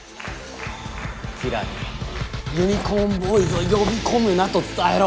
キラにユニコーンボーイズを呼びこむなと伝えろ。